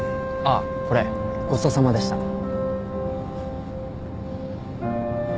あっこれごちそうさまでした。